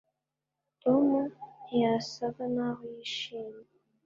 tom ntiyasaga naho yishimye